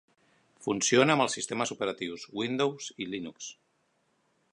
Funciona amb els sistemes operatius Windows i Linux.